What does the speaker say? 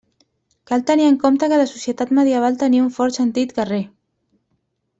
Cal tenir en compte que la societat medieval tenia un fort sentit guerrer.